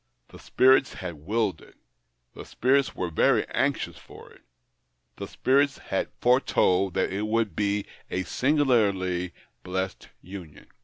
The spirits had willed it ; the spirits were very anxious for it ; the spirits had foretold that it would be ' a singularly blessed union.'